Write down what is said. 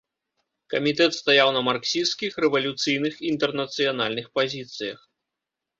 Камітэт стаяў на марксісцкіх, рэвалюцыйных, інтэрнацыянальных пазіцыях.